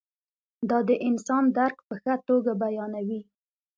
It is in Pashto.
دا د انسان درک په ښه توګه بیانوي.